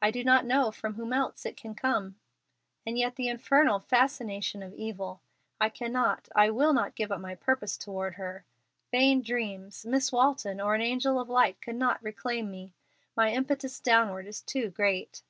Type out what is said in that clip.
I do not know from whom else it can come. "And yet the infernal fascination of evil! I cannot I will not give up my purpose toward her. Vain dreams! Miss Walton or an angel of light could not reclaim me. My impetus downward is too great.